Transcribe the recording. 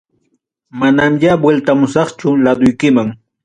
Manamya vueltamusaqchu, laduykiman.